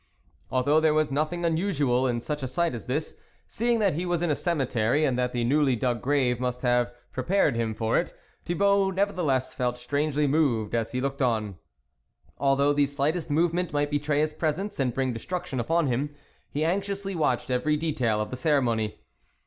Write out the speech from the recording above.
Although there was nothing un usual in such a sight as this, seeing that he was in a cemetery, and that the newly dug grave must have prepared him for it, Thibault, nevertheless, felt strangely moved as he looked on. Although the slightest movement might betray his presence and bring destruction upon him, he anxiously watched every detail of the ceremony.